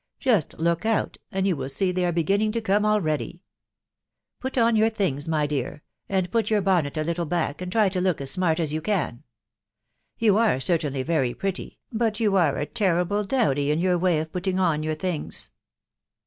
— Just look out, and you will see they are beginning to come already. Put on your things, my dear ; and put your bonnet a Utile back, and try to look as smart as you can. You are certainly very pretty^ but you are a terrible dowdy in your way of putting on your things.